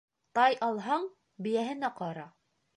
Тай алһаң, бейәһенә ҡара.